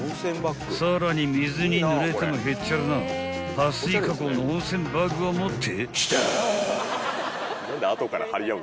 さらに水にぬれてもへっちゃらな撥水加工の温泉バッグを持って］